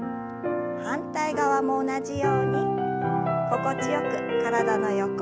反対側も同じように心地よく体の横を伸ばします。